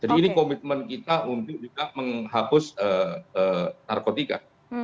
jadi ini komitmen kita untuk juga menghapus narkotika